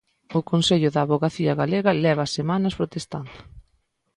O Consello da avogacía galega leva semanas protestando.